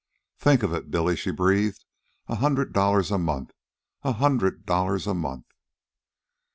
"Think of it, Billy!" she breathed. "A hundred dollars a month! A hundred dollars a month!"